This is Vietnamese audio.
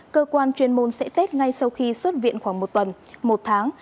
cơ quan chuyên môn sẽ tết ngay sau khi xuất viện khoảng một tuần một tháng